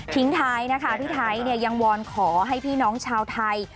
ทิ้งไทยนะคะพี่ไทยยังวอนขอให้พี่น้องชาวไทย